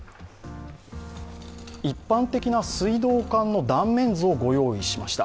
一般的な水道管の断面図を御用意しました。